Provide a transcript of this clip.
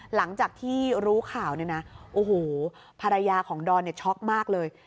หลังจากที่รู้ข่าวภรรยาของดอนช็อคมากเลย